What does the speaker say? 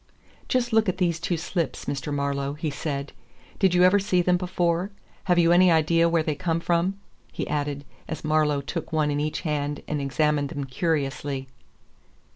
"Just look at these two slips, Mr. Marlowe," he said. "Did you ever see them before? Have you any idea where they come from?" he added, as Marlowe took one in each hand and examined them curiously.